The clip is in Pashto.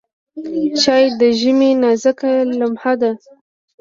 چای د ژمي نازکه لمحه ده.